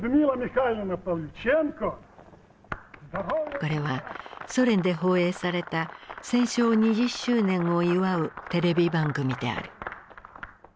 これはソ連で放映された戦勝２０周年を祝うテレビ番組である。